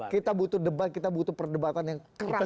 karena kita butuh debat kita butuh perdebatan yang keras sekali